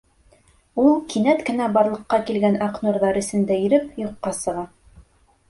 Ул, кинәт кенә барлыҡҡа килгән аҡ нурҙар эсендә иреп, юҡҡа сыға.